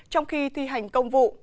trong khi thi hành công vụ